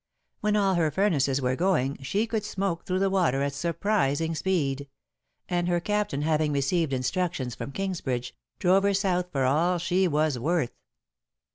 When all her furnaces were going she could smoke through the water at surprising speed, and her captain having received instructions from Kingsbridge, drove her south for all she was worth.